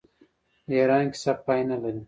د ایران کیسه پای نلري.